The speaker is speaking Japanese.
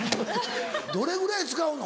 どれぐらい使うの？